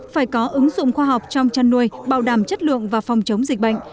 phải có ứng dụng khoa học trong chăn nuôi bảo đảm chất lượng và phòng chống dịch bệnh